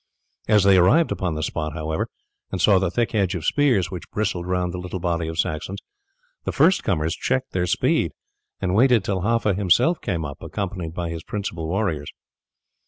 As they arrived upon the spot, however, and saw the thick hedge of spears which bristled round the little body of Saxons, the first comers checked their speed and waited till Haffa himself came up, accompanied by his principal warriors.